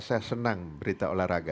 saya senang berita olahraga